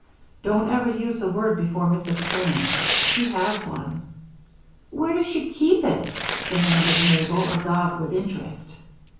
Don't ever use the word before Mrs. Crane; she has one." "Where does she keep it?" demanded Mabel, agog with interest.